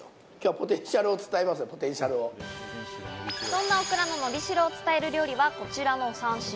そんなオクラののびしろを伝える料理は、こちらの３品。